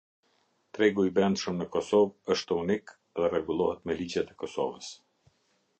Tregu i brendshëm në Kosovë është unik dhe rregullohet me ligjet e Kosovës.